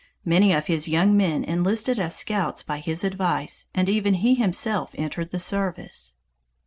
Many of his young men enlisted as scouts by his advice, and even he himself entered the service.